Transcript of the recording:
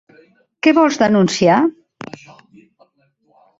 Què vols denunciar?